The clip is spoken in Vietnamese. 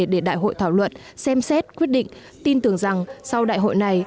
để đại hội thảo luận xem xét quyết định tin tưởng rằng sau đại hội này